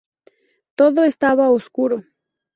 Todo estaba oscuro.